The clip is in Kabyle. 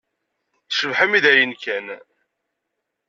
Tecbeḥ armi d ayen kan.